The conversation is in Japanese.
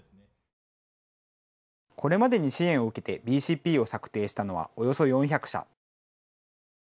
これまでに支援を受けてＢＣＰを策定したのはおよそ４００社。